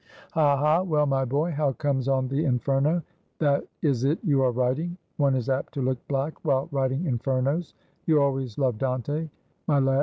"Ha, ha! well, my boy, how comes on the Inferno? That is it you are writing; one is apt to look black while writing Infernoes; you always loved Dante. My lad!